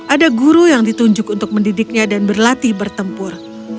ada guru yang ditunjuk untuk mendidiknya dan berlatih bertempur